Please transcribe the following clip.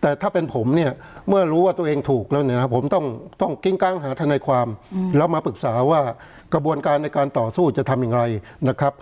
แต่ถ้าเป็นผมเนี่ยเมื่อรู้ว่าตัวเองถูกแล้วเนี่ยนะผมต้องกิ้งก้างหาธนายความแล้วมาปรึกษาว่ากระบวนการในการต่อสู้จะทำอย่างไรนะครับ